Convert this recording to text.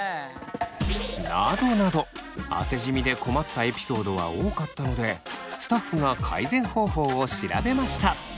などなど汗じみで困ったエピソードは多かったのでスタッフが改善方法を調べました。